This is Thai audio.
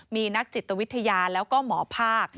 มีนักจิตวิทยาแล้วก็หมอภาค